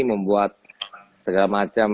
membuat segala macam